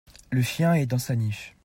le chien est dans sa niche.